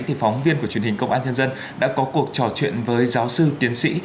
thì phóng viên của truyền hình công an nhân dân đã có cuộc trò chuyện với giáo sư tiến sĩ